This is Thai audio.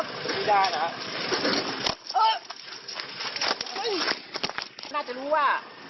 เป็นนี้นะ